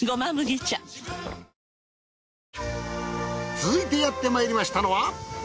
続いてやってまいりましたのは。